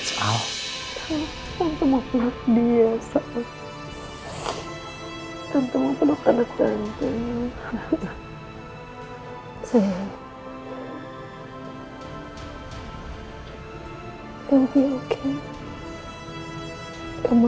sampai jumpa di video selanjutnya